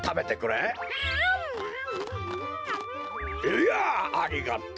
いやありがたい。